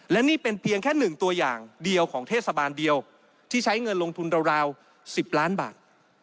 และนี่เป็นเพียงแค่๑ตัวอย่างเดียวของเทศบาลเดียวที่ใช้เงินลงทุนราว๑๐ล้านบาท